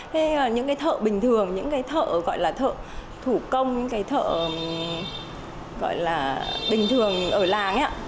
thế nhưng mà những cái thợ bình thường những cái thợ gọi là thợ thủ công những cái thợ gọi là bình thường ở làng ạ